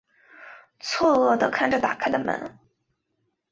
错愕的看着打开的门